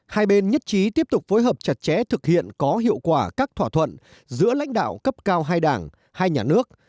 hai bên nhất trí tiếp tục phối hợp chặt chẽ thực hiện có hiệu quả các thỏa thuận giữa lãnh đạo cấp cao hai đảng hai nhà nước